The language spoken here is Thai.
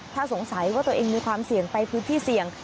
ถ้าสงสัยว่าตัวเองมีความเสี่ยงไปพื้นที่เสี่ยง